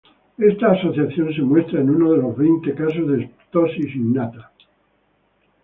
Esta asociación se muestra en uno de veinte casos de ptosis innata.